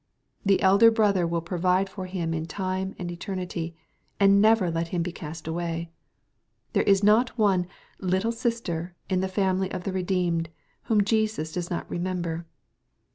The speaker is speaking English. The elder Brother will provide for him in time and eternity, and never let him be cast away. There is not one "little sister" in the family of the redeemed, whom Jesus does not remember.